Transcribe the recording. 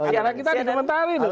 siaran kita diementari loh